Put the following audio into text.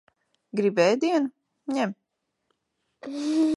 Gribi ēdienu? Ņem.